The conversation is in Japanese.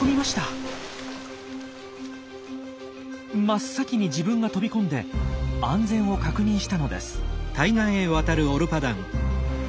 真っ先に自分が飛び込んで安全を確認したのです。